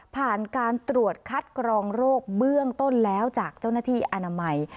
ผ่านการตรวจคัดกรองโรคเบื้องต้นแล้วจากเจ้าหน้าที่อนามัย